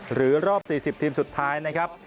รอบ๔๐ทีมสุดท้ายนะครับ